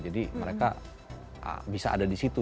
jadi mereka bisa ada di situ